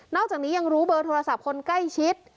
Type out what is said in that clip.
อกจากนี้ยังรู้เบอร์โทรศัพท์คนใกล้ชิด